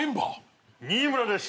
「新村です。